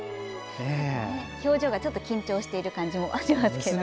表情がちょっと緊張している感じもありますね。